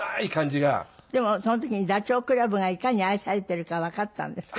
でもその時にダチョウ倶楽部がいかに愛されているかわかったんですって？